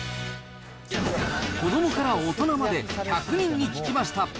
子どもから大人まで、１００人に聞きました。